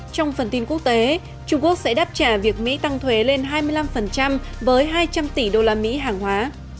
trong phần tin quốc tế trung quốc sẽ đáp trả việc mỹ tăng thuế lên hai mươi năm với hai trăm linh tỷ usd hàng hóa